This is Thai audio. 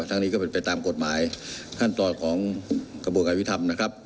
ทั้งนี้ก็เป็นไปตามกฎหมายขั้นตอนของกระบวนการยุทธรรมนะครับ